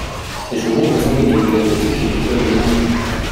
Ces chevaux présentent des qualités athlétiques et déploient de l'énergie.